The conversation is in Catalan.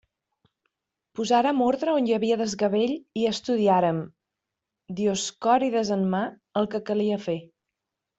Posàrem ordre on hi havia desgavell i estudiàrem, Dioscòrides en mà, el que calia fer.